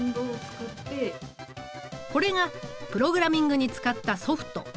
これがプログラミングに使ったソフト。